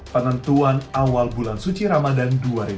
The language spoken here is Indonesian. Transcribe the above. penentuan awal bulan suci ramadan dua ribu dua puluh